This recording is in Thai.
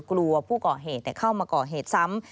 กลัวผู้เกาะเหตุแต่เข้ามาเกาะเหตุซ้ำ